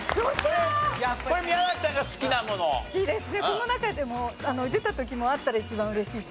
この中でも出た時あったら一番嬉しい。